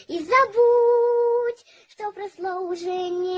ia bisa bukti sobrang seluruhnya